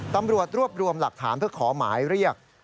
ตำรวจรวบรวมหลักฐานเพื่อขอหมายเรียก